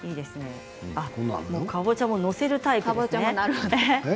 かぼちゃも載せるタイプですね。